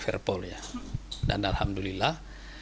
verpol ya dan alhamdulillah